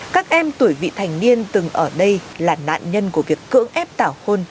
các em tuổi vị thành niên từng ở đây là nạn nhân của việc cưỡng ép tảo hôn